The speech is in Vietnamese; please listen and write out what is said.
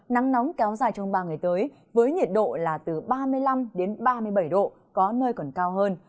nắng nóng kéo dài trong ba ngày tới với nhiệt độ là từ ba mươi năm đến ba mươi bảy độ có nơi còn cao hơn